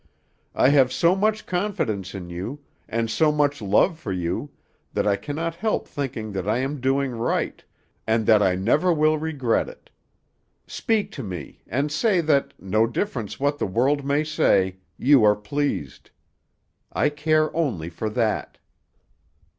I have so much confidence in you, and so much love for you, that I cannot help thinking that I am doing right, and that I never will regret it. Speak to me, and say that, no difference what the world may say, you are pleased; I care only for that."